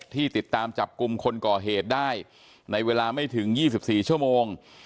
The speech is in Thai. ติดตามจับกลุ่มคนก่อเหตุได้ในเวลาไม่ถึง๒๔ชั่วโมง